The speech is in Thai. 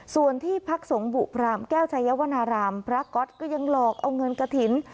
ส่วนที่พักสงฆ์บุพรามแก้วชายวนารามพระก๊อตก็ยังหลอกเอาเงินกระถิ่น